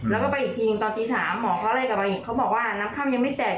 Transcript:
แล้วก็ไปอีกทีตอนตี๓หมอเขาไล่กลับมาอีกเขาบอกว่าน้ำค่ำยังไม่แตก